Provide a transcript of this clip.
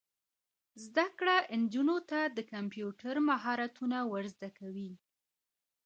زده کړه نجونو ته د کمپیوټر مهارتونه ور زده کوي.